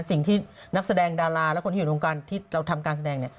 สิ่งที่นักแสดงดาราและคนที่อยู่ในวงการที่เราทำการแสดงเนี่ย